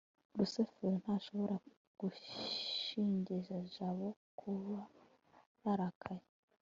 rusufero ntashobora gushinja jabo kuba yarakaye